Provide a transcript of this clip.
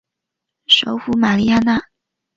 首府玛利亚娜。